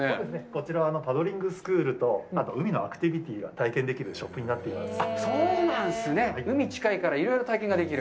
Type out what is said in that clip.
こちらはパドリングスクールと、あと海のアクティビティが体験できるショップになっています。